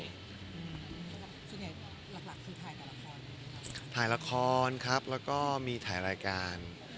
หลักหลักคือถ่ายกับละครถ่ายละครครับแล้วก็มีถ่ายรายการ